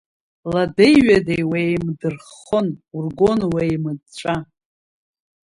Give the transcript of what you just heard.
Ладеи-ҩадеи уеимдырххон, ургон уеимыҵәҵәа.